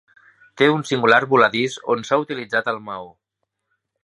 Té un singular voladís on s'ha utilitzat el maó.